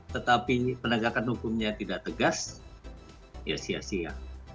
tetapi penegakan hukumnya tidak tegas ya sia sia